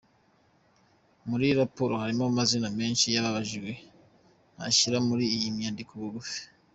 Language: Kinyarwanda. Muri raporo harimo amazina menshi y’ababajijwe ntashyira muri iyi nyandiko ngufi.